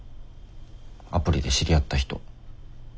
アプリで知り合った人。